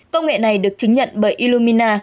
công nghệ này được chứng nhận bởi illumina